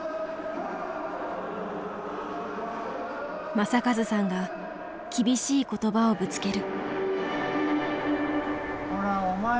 正和さんが厳しい言葉をぶつける。